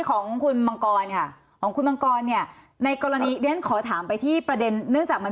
ของคุณบังกรลี่ฮะในกรณีนี้ฉันขอถามไปที่ประเด็นนื่องจากมัน